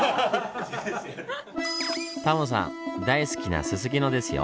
タモさん大好きなすすきのですよ。